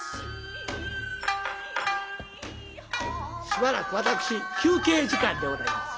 しばらく私休憩時間でございます。